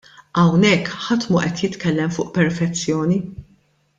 Hawnhekk ħadd mhu qed jitkellem fuq perfezzjoni.